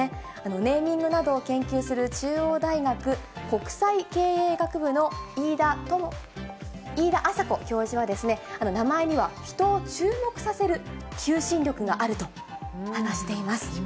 ネーミングなどを研究する中央大学国際経営学部の飯田朝子教授は、名前には、人を注目させる求心力があると話しています。